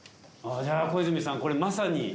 ああじゃあ小泉さんこれまさに。